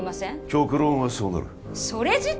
極論はそうなるそれ自体